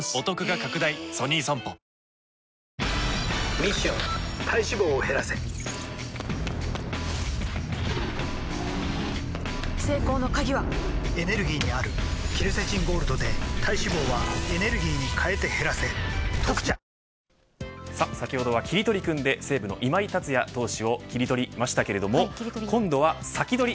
ミッション体脂肪を減らせ成功の鍵はエネルギーにあるケルセチンゴールドで体脂肪はエネルギーに変えて減らせ「特茶」先ほどはキリトリくんで西武の今井達也投手をキリトリましたけど、今度はサキドリ！